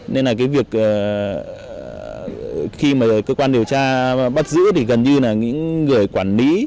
nên là cái việc khi mà cơ quan điều tra bắt giữ thì gần như là những người quản lý